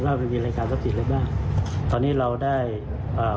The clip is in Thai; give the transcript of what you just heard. ว่ามันมีรายการทรัพย์จริงหรือเปล่าตอนนี้เราได้อ่า